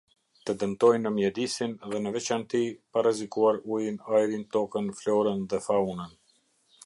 Të dëmtojnë mjedisin dhe në veçanti pa rrezikuar ujin, ajrin, tokën, florën dhe faunën.